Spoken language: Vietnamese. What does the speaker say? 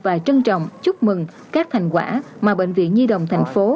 và trân trọng chúc mừng các thành quả mà bệnh viện nhi đồng thành phố